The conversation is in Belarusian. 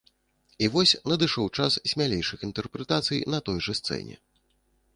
І вось надышоў час смялейшых інтэрпрэтацый на той жа сцэне.